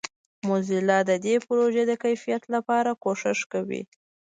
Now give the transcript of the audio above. موزیلا د دې پروژې د کیفیت لپاره کوښښ کوي.